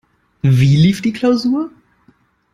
Wie lief die Klausur?